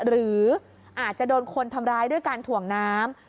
หรืออาจจะโดนคนทำร้ายด้วยการถ่วงน้ำ